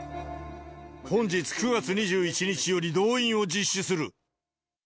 本日９月２１日より動員を実施する。